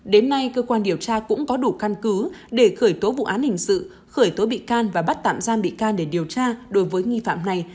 đến nay cơ quan điều tra cũng có đủ căn cứ để khởi tố vụ án hình sự khởi tố bị can và bắt tạm giam bị can để điều tra đối với nghi phạm này